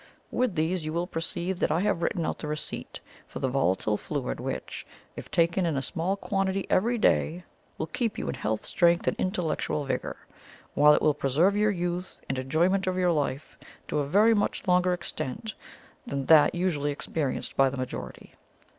With these you will also perceive that I have written out the receipt for the volatile fluid which, if taken in a small quantity every day, will keep you in health, strength, and intellectual vigour, while it will preserve your youth and enjoyment of life to a very much longer extent than that usually experienced by the majority.